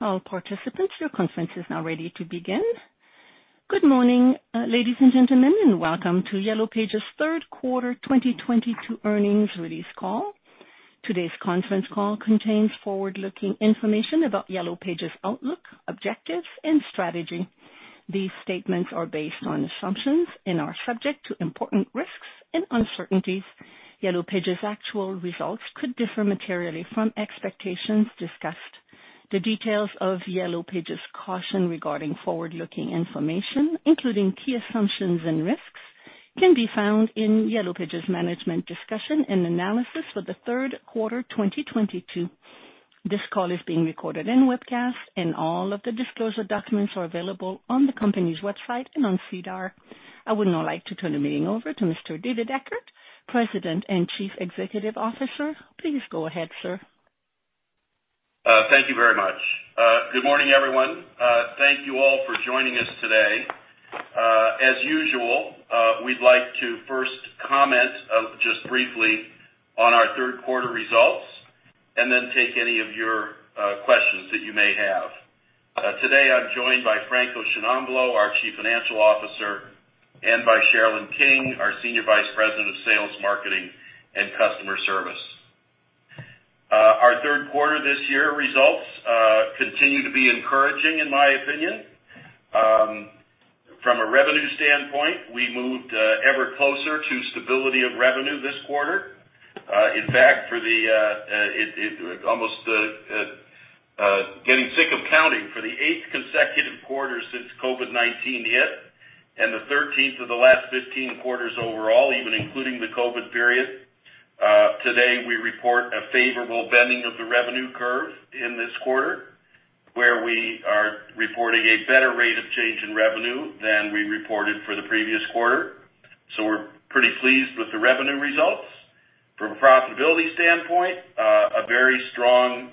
All participants, your conference is now ready to begin. Good morning, ladies and gentlemen, and welcome to Yellow Pages' Third Quarter 2022 Earnings Release Call. Today's conference call contains forward-looking information about Yellow Pages' outlook, objectives, and strategy. These statements are based on assumptions and are subject to important risks and uncertainties. Yellow Pages' actual results could differ materially from expectations discussed. The details of Yellow Pages' caution regarding forward-looking information, including key assumptions and risks, can be found in Yellow Pages' management discussion and analysis for the third quarter 2022. This call is being recorded and webcast, and all of the disclosure documents are available on the company's website and on SEDAR. I would now like to turn the meeting over to Mr. David Eckert, President and Chief Executive Officer. Please go ahead, sir. Thank you very much. Good morning, everyone. Thank you all for joining us today. As usual, we'd like to first comment just briefly on our third quarter results and then take any of your questions that you may have. Today, I'm joined by Franco Sciannamblo, our Chief Financial Officer, and by Sherilyn King, our Senior Vice President of Sales, Marketing, and Customer Service. Our third quarter this year results continue to be encouraging, in my opinion. From a revenue standpoint, we moved ever closer to stability of revenue this quarter. In fact, almost getting sick of counting. For the 8th consecutive quarter since COVID-19 hit, and the 13th of the last 15 quarters overall, even including the COVID period, today we report a favorable bending of the revenue curve in this quarter, where we are reporting a better rate of change in revenue than we reported for the previous quarter. We're pretty pleased with the revenue results. From a profitability standpoint, a very strong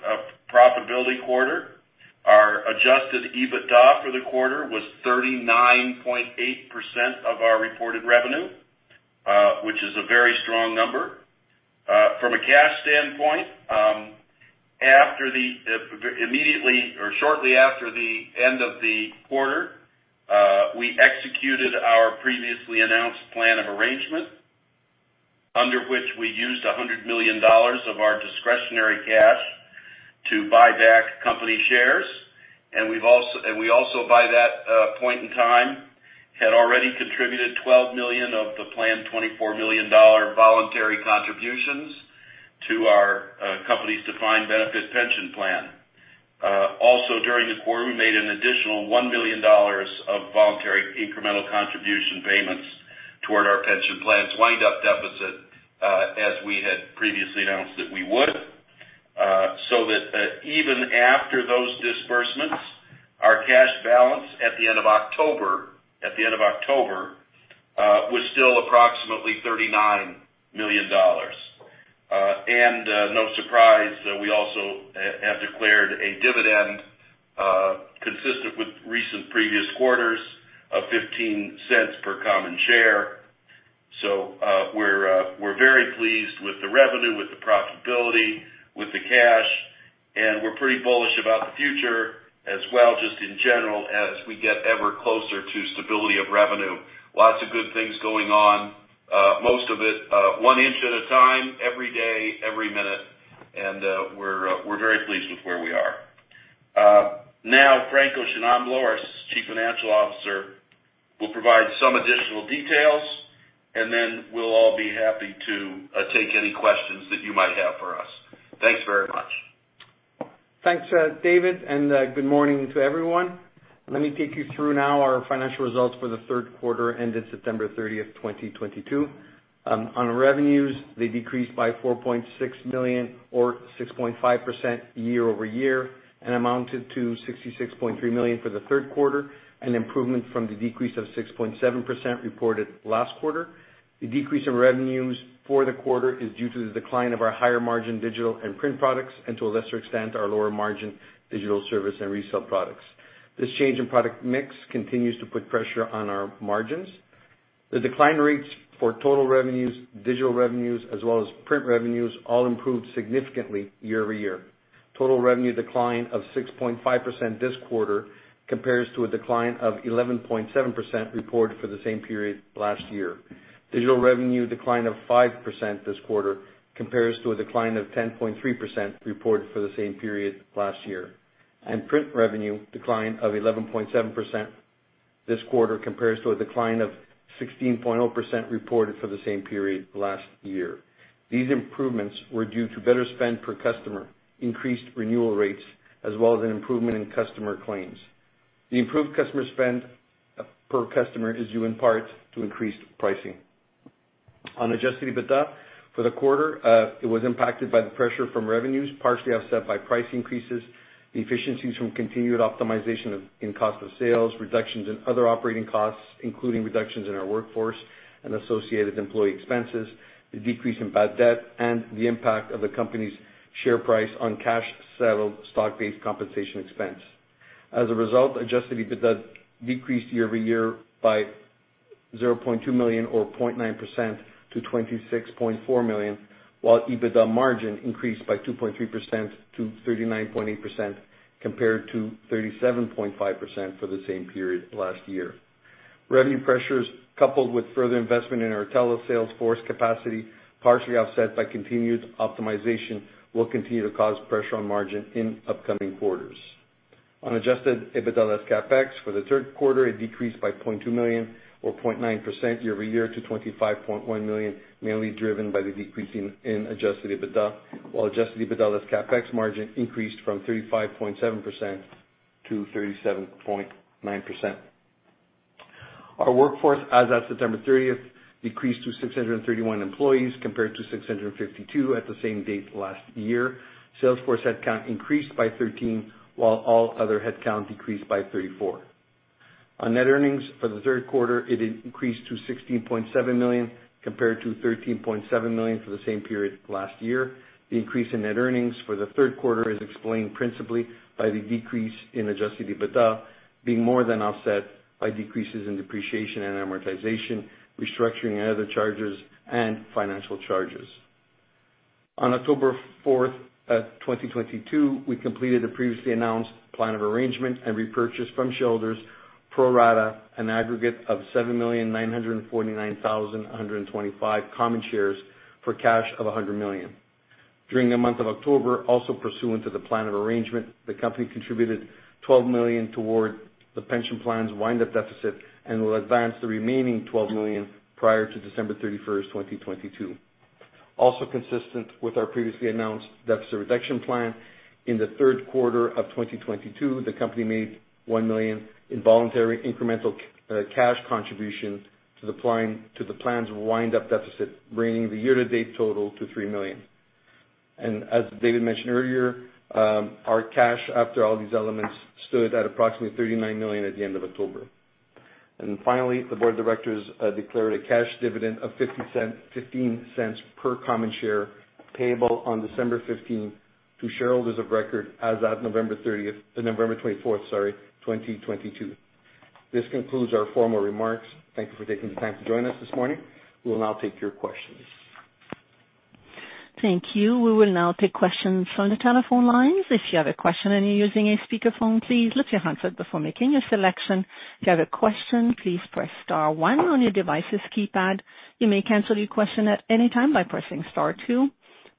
profitability quarter. Our Adjusted EBITDA for the quarter was 39.8% of our reported revenue, which is a very strong number. From a cash standpoint, immediately or shortly after the end of the quarter, we executed our previously announced Plan of Arrangement, under which we used 100 million dollars of our discretionary cash to buy back company shares. We also, by that point in time, had already contributed 12 million of the planned 24 million dollar voluntary contributions to our company's Defined Benefit Pension Plan. Also during the quarter, we made an additional 1 million dollars of voluntary incremental contribution payments toward our pension plan's wind-up deficit, as we had previously announced that we would. Even after those disbursements, our cash balance at the end of October was still approximately 39 million dollars. No surprise, we also have declared a dividend, consistent with recent previous quarters of 0.15 per common share. We're very pleased with the revenue, with the profitability, with the cash, and we're pretty bullish about the future as well, just in general, as we get ever closer to stability of revenue. Lots of good things going on, most of it, one inch at a time, every day, every minute, and we're very pleased with where we are. Now, Franco Sciannamblo, our Chief Financial Officer, will provide some additional details, and then we'll all be happy to take any questions that you might have for us. Thanks very much. Thanks, David, and good morning to everyone. Let me take you through now our financial results for the third quarter ended September 30, 2022. On revenues, they decreased by 4.6 million or 6.5% year-over-year and amounted to 66.3 million for the third quarter, an improvement from the decrease of 6.7% reported last quarter. The decrease in revenues for the quarter is due to the decline of our higher-margin digital and print products, and to a lesser extent, our lower-margin digital services and resell products. This change in product mix continues to put pressure on our margins. The decline rates for total revenues, digital revenues, as well as print revenues all improved significantly year-over-year. Total revenue decline of 6.5% this quarter compares to a decline of 11.7% reported for the same period last year. Digital revenue decline of 5% this quarter compares to a decline of 10.3% reported for the same period last year. Print revenue decline of 11.7% this quarter compares to a decline of 16.0% reported for the same period last year. These improvements were due to better spend per customer, increased renewal rates, as well as an improvement in customer claims. The improved customer spend, per customer is due in part to increased pricing. On Adjusted EBITDA for the quarter, it was impacted by the pressure from revenues, partially offset by price increases, the efficiencies from continued optimization of in cost of sales, reductions in other operating costs, including reductions in our workforce and associated employee expenses, the decrease in bad debt, and the impact of the company's share price on cash-settled stock-based compensation expense. As a result, Adjusted EBITDA decreased year-over-year by 0.2 million or 0.9% to 26.4 million, while EBITDA margin increased by 2.3% to 39.8% compared to 37.5% for the same period last year. Revenue pressures, coupled with further investment in our telesales force capacity, partially offset by continued optimization, will continue to cause pressure on margin in upcoming quarters. On Adjusted EBITDA less CapEx for the third quarter, it decreased by 0.2 million or 0.9% year-over-year to 25.1 million, mainly driven by the decrease in Adjusted EBITDA, while Adjusted EBITDA less CapEx margin increased from 35.7% to 37.9%. Our workforce as of September 30 decreased to 631 employees compared to 652 at the same date last year. Sales force headcount increased by 13, while all other headcount decreased by 34. On net earnings for the third quarter, it increased to 16.7 million compared to 13.7 million for the same period last year. The increase in net earnings for the third quarter is explained principally by the decrease in Adjusted EBITDA being more than offset by decreases in depreciation and amortization, restructuring and other charges, and financial charges. On October fourth, 2022, we completed a previously announced plan of arrangement and repurchased from shareholders pro rata an aggregate of 7,949,125 common shares for 100 million. During the month of October, also pursuant to the plan of arrangement, the company contributed 12 million toward the pension plan's wind-up deficit and will advance the remaining 12 million prior to December 31, 2022. Also consistent with our previously announced deficit reduction plan, in the third quarter of 2022, the company made 1 million in voluntary incremental cash contribution to the plan's wind-up deficit, bringing the year-to-date total to 3 million. As David mentioned earlier, our cash after all these elements stood at approximately 39 million at the end of October. Finally, the board of directors declared a cash dividend of 0.15 per common share payable on December 15th to shareholders of record as of November 24th, sorry, 2022. This concludes our formal remarks. Thank you for taking the time to join us this morning. We will now take your questions. Thank you. We will now take questions from the telephone lines. If you have a question and you're using a speaker phone, please lift your handset before making your selection. If you have a question, please press star one on your device's keypad. You may cancel your question at any time by pressing star two.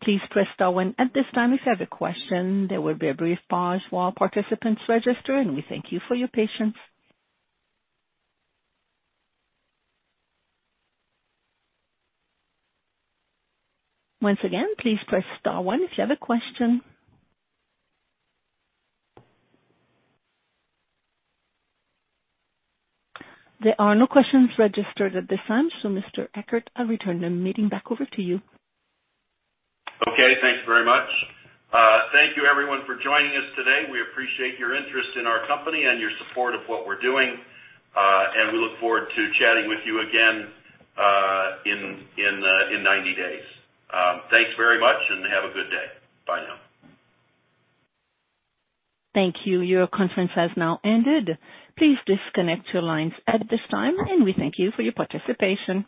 Please press star one at this time if you have a question. There will be a brief pause while participants register, and we thank you for your patience. Once again, please press star one if you have a question. There are no questions registered at this time, so Mr. Eckert, I'll return the meeting back over to you. Okay, thanks very much. Thank you everyone for joining us today. We appreciate your interest in our company and your support of what we're doing, and we look forward to chatting with you again in 90 days. Thanks very much and have a good day. Bye now. Thank you. Your conference has now ended. Please disconnect your lines at this time, and we thank you for your participation.